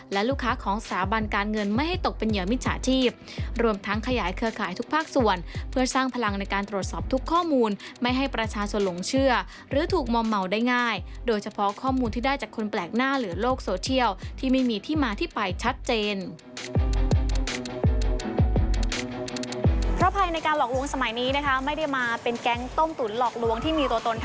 และลูกค้าของสถาบันการเงินไม่ให้ตกเป็นเหยื่อมิจฉาธิบ